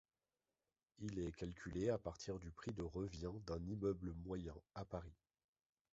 Il est calculé à partir du prix de revient d'un immeuble moyen à Paris.